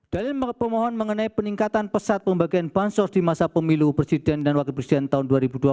dalil pemohon mengenai peningkatan pesat pembagian bansos di masa pemilu presiden dan wakil presiden tahun dua ribu dua puluh empat